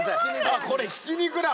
あっこれひき肉だ。